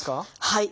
はい。